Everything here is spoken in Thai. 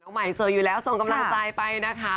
เอาใหม่เสิร์ฟอยู่แล้วส่งกำลังใจไปนะคะ